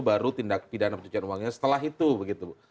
baru tindak pidana pencucian uangnya setelah itu begitu